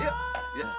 kopi buatan istri